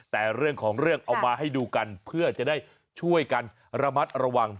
แต่เรื่องของเรื่องเอามาให้ดูกันเพื่อจะได้ช่วยกันระมัดระวัง